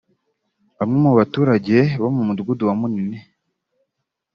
Bamwe mu baturage bo mu Mudugudu wa Munini